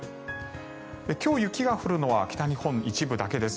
今日雪が降るのは北日本の一部だけです。